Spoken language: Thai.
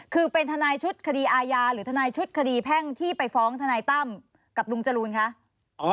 คือเป็นทนายชุดคดีอาญาหรือทนายชุดคดีแพ่งที่ไปฟ้องทนายตั้มกับลุงจรูนคะ